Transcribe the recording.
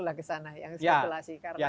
lah kesana yang spekulasi ya ya